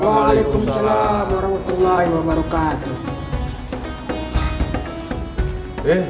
waalaikumsalam warahmatullah wabarakatuh